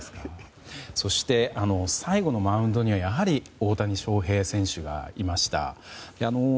そして最後のマウンドにはやはり大谷翔平選手がいました。